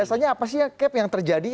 biasanya apa sih cap yang terjadi